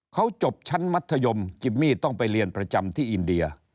เขาจบชั้นมัธยมจิมมี่ต้องไปเรียนประจำที่อินเดีย